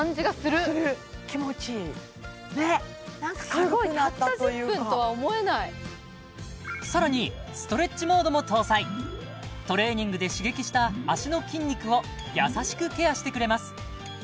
ねっ軽くなったというかさらにストレッチモードも搭載トレーニングで刺激した脚の筋肉を優しくケアしてくれます